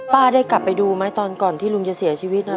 ได้กลับไปดูไหมตอนก่อนที่ลุงจะเสียชีวิตนะ